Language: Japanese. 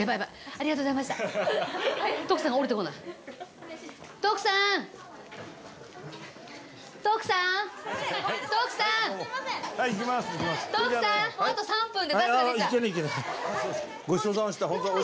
あと３分。